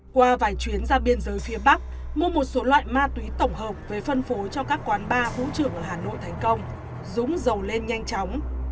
qua vài chuyến ra biên giới phía bắc mua một số loại ma túy tổng hợp về phân phối cho các quán bar vũ trường ở hà nội thành công dũng giàu lên nhanh chóng